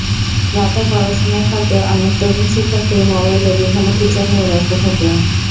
রাতে পড়াশোনার ফাঁকে অনেক তরুণ শিক্ষার্থীই মোবাইলে বিভিন্ন ফিচার নিয়ে ব্যস্ত থাকে।